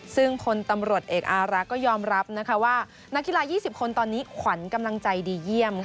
ซึ่งพลตำรวจเอกอารักษ์ก็ยอมรับว่านักกีฬา๒๐คนตอนนี้ขวัญกำลังใจดีเยี่ยม